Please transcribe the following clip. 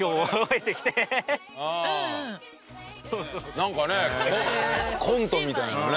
なんかねコントみたいなね。